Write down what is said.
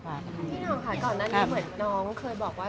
พี่น้องค่ะก่อนหน้านี้เหมือนน้องเคยบอกว่า